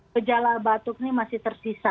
gejala batuk ini masih tersisa